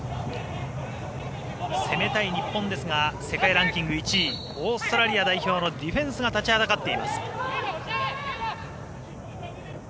攻めたい日本ですが世界ランキング１位オーストラリア代表のディフェンスが立ちはだかっています。